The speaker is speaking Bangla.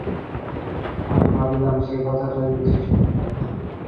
আমি ভাবিলাম, সেই কথাটাই বুঝি সত্য।